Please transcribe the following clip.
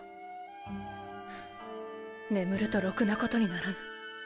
眠るとろくなことにならぬ。